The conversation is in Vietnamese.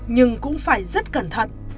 nhưng cũng phải rất cẩn thận